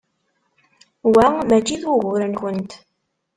Wa mačči d ugur-nkent.